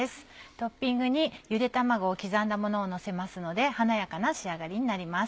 トッピングにゆで卵を刻んだものをのせますので華やかな仕上がりになります。